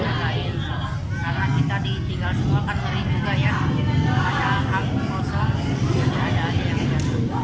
karena kita ditinggal semua kantori juga ya ada yang mengungsi ada yang menjaga